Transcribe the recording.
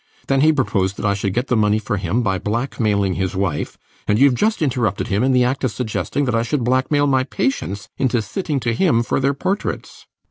Then he proposed that I should get the money for him by blackmailing his wife; and youve just interrupted him in the act of suggesting that I should blackmail my patients into sitting to him for their portraits.